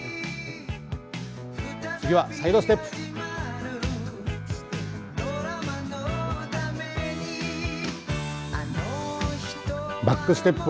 次はサイドステップ。